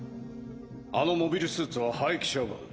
あのモビルスーツは廃棄処分。